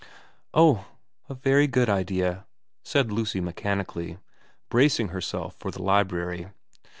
' Oh, a very good idea,' said Lucy mechanically, bracing herself for the library.